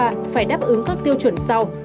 phải đáp ứng các tiêu chuẩn sau